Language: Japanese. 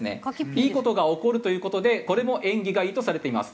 いい事が起こるという事でこれも縁起がいいとされています。